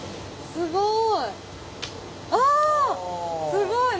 すごい。